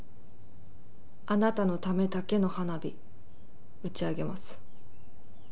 「あなたのためだけの花火打ち上げます」。